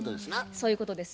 そういうことです。